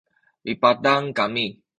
mipantang kami